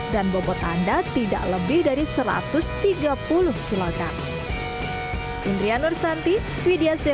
dan bobot anda tidak lebih dari satu ratus tiga puluh kilogram